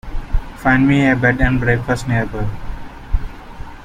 Find me a bed and breakfast nearby.